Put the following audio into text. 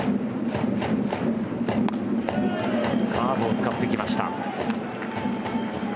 カーブを使ってきました。